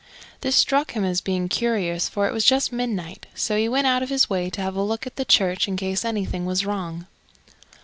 This struck him as being curious, for it was just midnight, so he went out of his way to have a look at the church, in case anything was wrong.